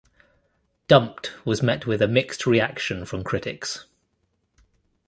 "Dumped" was met with a mixed reaction from critics.